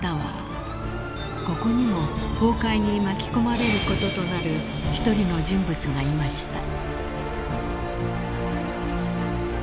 ［ここにも崩壊に巻き込まれることとなる一人の人物がいました］